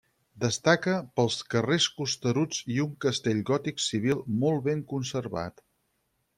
Destaca pels carrers costeruts i un castell gòtic civil molt ben conservat.